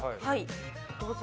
どうぞ。